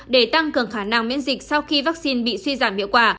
để tăng cường khả năng miễn dịch sau khi vaccine bị suy giảm hiệu quả